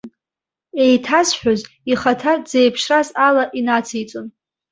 Еиҭазҳәоз, ихаҭа дзеиԥшраз ала, инациҵон.